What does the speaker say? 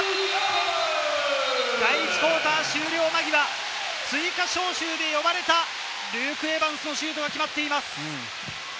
第１クオーター終了間際、追加招集で呼ばれたルーク・エヴァンスのシュートが決まっています。